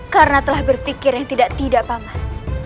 karena telah berpikir yang tidak tidak paman